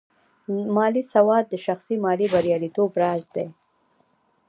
مالي سواد د شخصي مالي بریالیتوب راز دی.